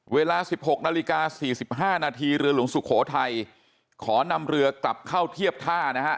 เวลา๑๖นาฬิกา๔๕นาทีเรือหลวงสุโขทัยขอนำเรือกลับเข้าเทียบท่านะฮะ